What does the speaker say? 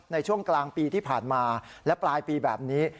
ในช่วงกลางปีที่ผ่านมาและปลายปีแบบนี้